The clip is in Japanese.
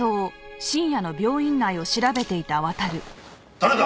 誰だ？